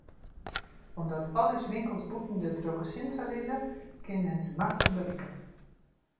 Omdat al ús winkels bûten de drokke sintra lizze, kin men se maklik berikke.